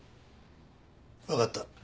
わかった。